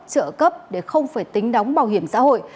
trợ cấp để không phải tính đóng bảo hiểm xã hội